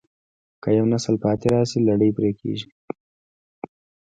که یو نسل پاتې راشي، لړۍ پرې کېږي.